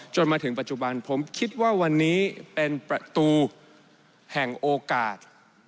จนถึงปัจจุบันผมคิดว่าวันนี้เป็นประตูแห่งโอกาส